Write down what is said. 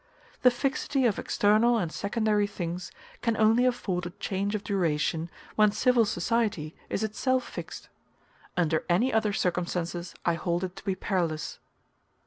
The fixity of external and secondary things can only afford a chance of duration when civil society is itself fixed; under any other circumstances I hold it to be perilous.